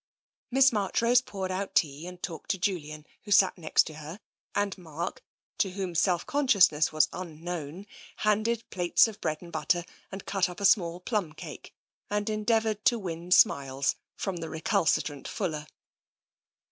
Miss Marchrose poured out tea and talked to Julian, who sat next her, and Mark, to whom self conscious ness was unknown, handed plates of bread and butter and cut up a small plum cake and endeavoured to win smiles from the recalcitrant Fuller.